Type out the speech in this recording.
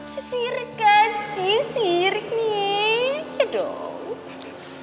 si sirek kan si sirek nih ya dong